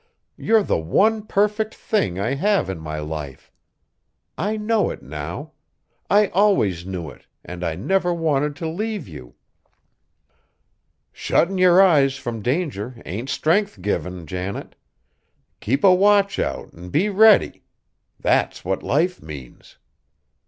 You're the one perfect thing I have in my life. I know it now; I always knew it, and I never wanted to leave you." "Shuttin' yer eyes from danger ain't strength givin', Janet; keep a watch out, an' be ready. That's what life means."